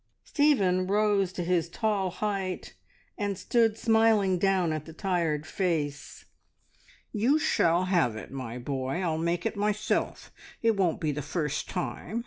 Stephen rose to his tall height and stood smiling down at the tired face. "You shall have it, my boy. I'll make it myself. It won't be the first time.